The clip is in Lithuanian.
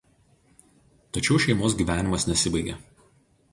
Tačiau šeimos gyvenimas nesibaigia.